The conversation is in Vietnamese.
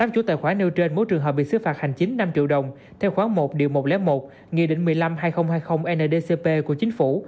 tám chủ tài khoản nêu trên mỗi trường hợp bị xứ phạt hành chính năm triệu đồng theo khoảng một một trăm linh một nghị định một mươi năm hai nghìn hai mươi ndcp của chính phủ